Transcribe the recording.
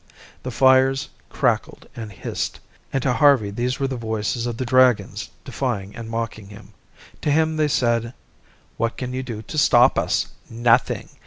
The fires crackled and hissed, and to Harvey these were the voices of the dragons defying and mocking him. To him they said: "What can you do to stop us? Nothing.